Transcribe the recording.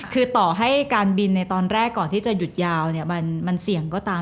คือต่อให้การบินในตอนแรกก่อนที่จะหยุดยาวมันเสี่ยงก็ตาม